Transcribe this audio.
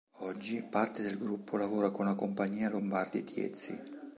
Oggi parte del gruppo lavora con la Compagnia Lombardi-Tiezzi.